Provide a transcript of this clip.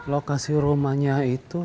lokasi rumahnya itu